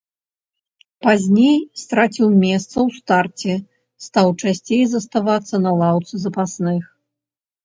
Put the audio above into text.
Пазней страціў месца ў старце, стаў часцей заставацца на лаўцы запасных.